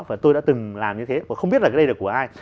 và tôi đã từng làm như thế và không biết là cái đây là của ai